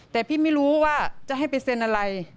แต่พี่ไม่รู้ว่าจะให้ไปเซ็นอะไร